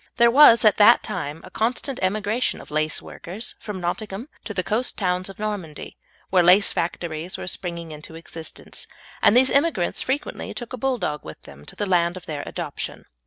There was at that time a constant emigration of laceworkers from Nottingham to the coast towns of Normandy, where lace factories were springing into existence, and these immigrants frequently took a Bulldog with them to the land of their adoption.